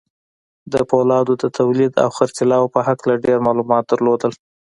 د پولادو د توليد او خرڅلاو په هکله ډېر معلومات درلودل.